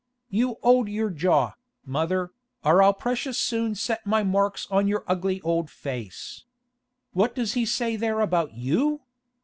'You 'old your jaw, mother, or I'll precious soon set my marks on your ugly old face! What does he say there about you?